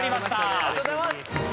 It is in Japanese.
ありがとうございます！